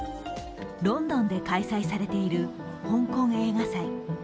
ロンドンで開催されている香港映画祭。